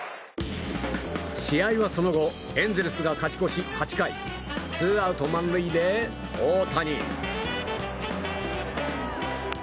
試合はその後エンゼルスが勝ち越し８回、ツーアウト満塁で大谷。